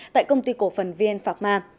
tại công ty cổ phần vn phạc ma